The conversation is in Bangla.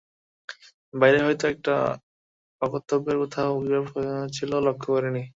বাইরে হয়তো একটা অকর্তব্যের কোথাও আবির্ভাব হয়েছিল, লক্ষ করি নি।